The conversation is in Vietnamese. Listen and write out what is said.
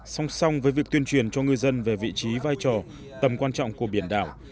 song song với việc tuyên truyền cho ngư dân về vị trí vai trò tầm quan trọng của biển đảo